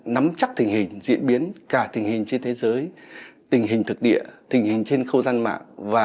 nắm chắc tình hình diễn biến cả tình hình trên thế giới tình hình thực địa tình hình trên khâu gian mạng và tình hình trong nhân dân